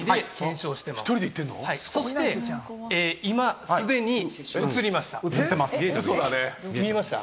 そして今すでに映りました。